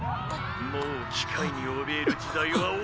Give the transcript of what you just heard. もう機械におびえる時代は終わるのだ。